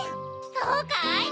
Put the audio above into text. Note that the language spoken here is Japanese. そうかい？